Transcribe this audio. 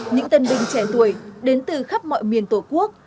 những tân binh trẻ tuổi đến từ khắp mọi miền tổ quốc